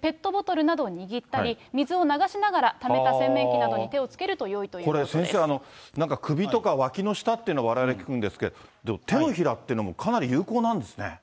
ペットボトルなどを握ったり、水を流しながらためた洗面器などに手をつけるとよいということでこれ、先生、なんか首とかわきの下っていうのはわれわれ、聞くんですけど、でも、手のひらってのも、かなり有効なんですね。